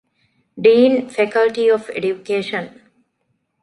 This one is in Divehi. ޑީން، ފެކަލްޓީ އޮފް އެޑިއުކޭޝަން